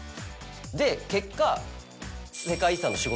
で結果。